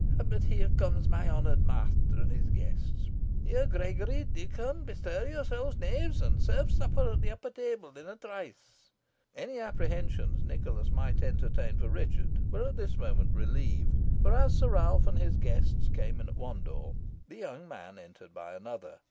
But here comes my honoured master and his guests. Here, Gregory, Dickon, bestir yourselves, knaves; and serve supper at the upper table in a trice." Any apprehensions Nicholas might entertain for Richard were at this moment relieved, for as Sir Ralph and his guests came in at one door, the young man entered by another.